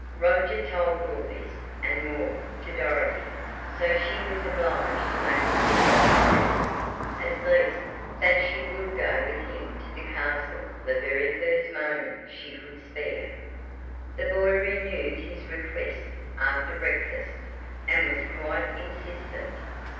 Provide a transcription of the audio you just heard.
Roger told all this, and more, to Dorothy, so she was obliged to make a tentative promise, at least, that she would go with him to the castle the very first moment she could spare. The boy renewed his request after breakfast, and was quite insistent.